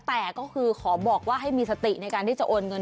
แต่ก็คือขอบอกว่าให้มีสติในการที่จะโอนเงิน